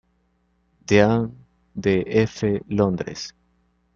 Dean, de f Londres.